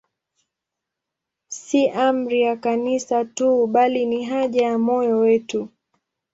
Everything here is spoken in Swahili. Si amri ya Kanisa tu, bali ni haja ya moyo wetu.